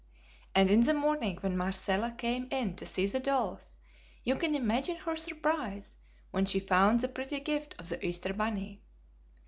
And in the morning when Marcella came in to see the dolls you can imagine her surprise when she found the pretty gift of the Easter bunny.